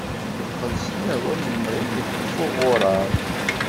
Yeqqel sellaw am yemɣi yeṭṭef uɣurar.